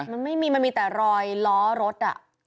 มันไม่มีมันมีแต่รอยล้อรถ